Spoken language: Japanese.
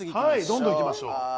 どんどんいきましょう。